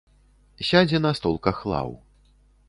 Сядзе на столках лаў.